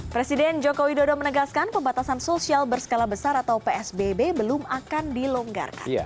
presiden joko widodo menegaskan pembatasan sosial berskala besar atau psbb belum akan dilonggarkan